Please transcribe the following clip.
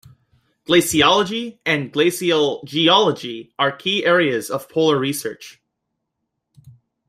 Glaciology and glacial geology are key areas of polar research.